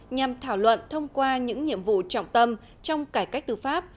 nhằm thảo luận thông qua những nhiệm vụ trọng tâm trong cải cách tư pháp